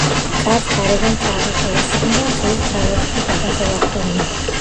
კარს გარედან თაღი, ხოლო შიგნით ხის თარაზული გადახურვა ჰქონია.